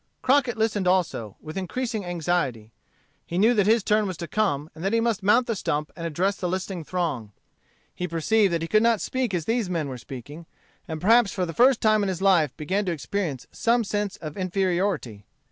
Crockett listened also, with increasing anxiety. He knew that his turn was to come; that he must mount the stump and address the listening throng. He perceived that he could not speak as these men were speaking; and perhaps for the first time in his life began to experience some sense of inferiority.